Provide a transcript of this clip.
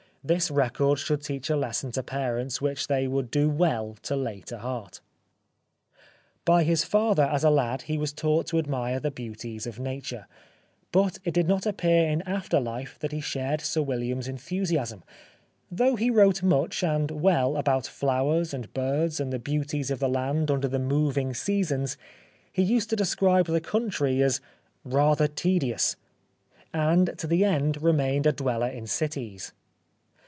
This record should teach a lesson to parents which they would do well to lay to heart. By his father as a lad he was taught to admire the beauties of Nature, but it did not appear in after life that he shared Sir William's en 96 The Life of Oscar Wilde thusiasm. Though he wrote much and well about flowers and birds and the beauties of the land under the moving seasons, he used to describe the country as " rather tedious "; and to the end remained a dweller in cities.